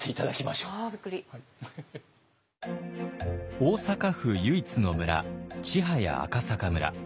大阪府唯一の村千早赤阪村。